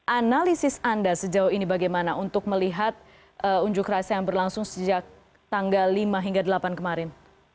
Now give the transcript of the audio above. analisis anda sejauh ini bagaimana untuk melihat unjuk rasa yang berlangsung sejak tanggal lima hingga delapan kemarin